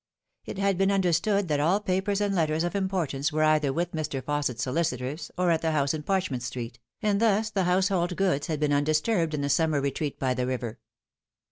It had been under stood that all papers and letters of importance were either with Mr. Fausset's solicitors or at the house in Parchment Street, and thus the household gods had been undisturbed in the summer retreat by the river.